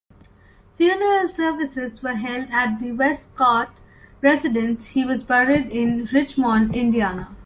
Funeral services were held at the Westcott residence; he was buried in Richmond, Indiana.